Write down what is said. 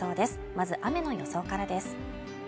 まず雨の予想からです